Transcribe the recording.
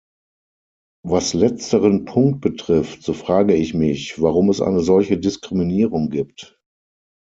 Was letzteren Punkt betrifft, so frage ich mich, warum es eine solche Diskriminierung gibt.